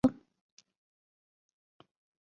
রমেশ অপ্রতিভ হইয়া একটুখানি হাসিল।